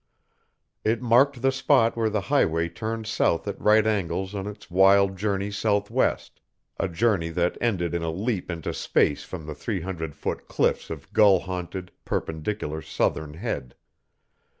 It marked the spot where the highway turned south at right angles on its wild journey southwest, a journey that ended in a leap into space from the three hundred foot cliffs of gull haunted, perpendicular Southern Head.